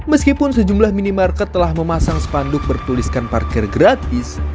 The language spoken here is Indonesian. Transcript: meskipun sejumlah minimarket telah memasang spanduk bertuliskan parkir gratis